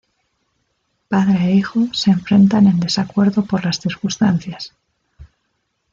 Padre e hijo se enfrentan en desacuerdo por las circunstancias.